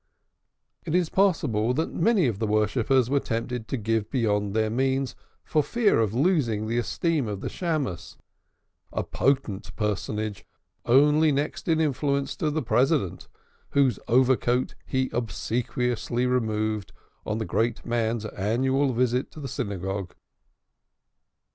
It is possible that many of the worshippers were tempted to give beyond their means for fear of losing the esteem of the Shammos or Beadle, a potent personage only next in influence to the President whose overcoat he obsequiously removed on the greater man's annual visit to the synagogue.